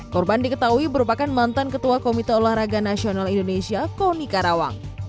korban diketahui merupakan mantan ketua komite olahraga nasional indonesia koni karawang